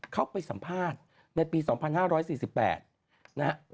เข้าไปสัมภาษณ์ในปี๒๕๔๘นะฮะ